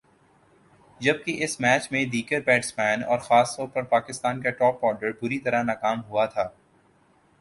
جبکہ اس میچ میں دیگر بیٹسمین اور خاص طور پر پاکستان کا ٹاپ آرڈر بری طرح ناکام ہوا تھا ۔